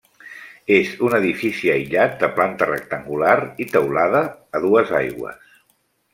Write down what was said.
És un edifici aïllat de planta rectangular i teulada a dues aigües.